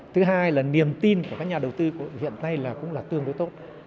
thứ hai là niềm tin của các nhà đầu tư hiện nay là cũng là tương đối tốt